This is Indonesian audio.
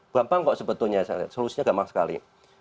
gampang kok sebetulnya solusinya gampang sekali